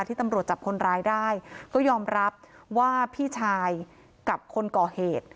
ตำรวจจับคนร้ายได้ก็ยอมรับว่าพี่ชายกับคนก่อเหตุ